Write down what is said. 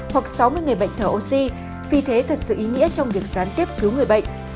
hoặc sáu mươi người bệnh thở oxy vì thế thật sự ý nghĩa trong việc gián tiếp cứu người bệnh